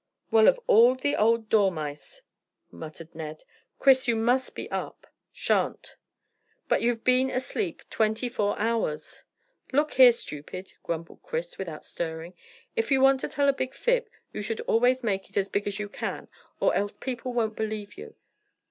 "Well, of all the old dormice!" muttered Ned. "Chris, you must get up." "Shan't!" "But you've been asleep twenty four hours." "Look here, stupid," grumbled Chris, without stirring, "if you want to tell a big fib you should always make it as big as you can, or else people won't believe you.